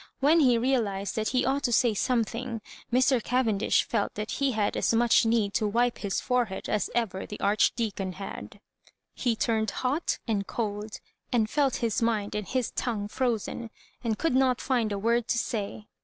When he realised that he ought to say something, Mr. Cavendish felt that he had as much need Co wipe his forehead as ever the Archdeacon had. He turned hot and cold, and felt his mind and his tongue frozen, and could not find a word to say.